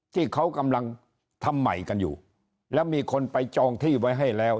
ที่เขากำลังทำใหม่กันอยู่แล้วมีคนไปจองที่ไว้ให้แล้ว